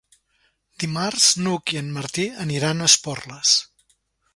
Dimarts n'Hug i en Martí aniran a Esporles.